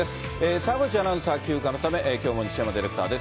澤口アナウンサー、休暇のため、きょうも西山ディレクターです。